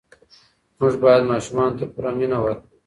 موږ باید ماشومانو ته پوره مینه ورکړو.